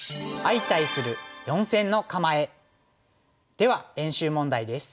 では練習問題です。